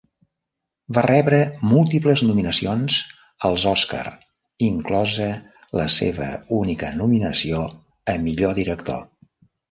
Va rebre múltiples nominacions als Òscar, inclosa la seva única nominació a Millor Director.